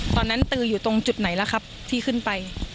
ตืออยู่ตรงจุดไหนล่ะครับที่ขึ้นไป